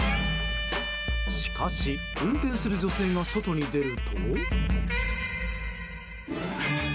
しかし、運転する女性が外に出ると。